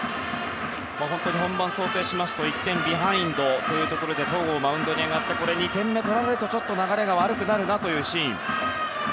本番を想定すると１点ビハインドで戸郷がマウンドに上がって２点目を取られるとちょっと流れが悪くなるなというシーン。